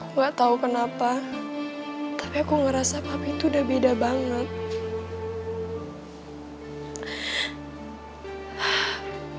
aku tidak tahu kenapa tapi aku merasa papi itu sudah berbeda sekali